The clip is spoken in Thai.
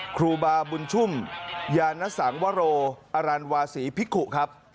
ครูบาบุญชุ่มยานสังวโรอรันวาศีพิกุครับ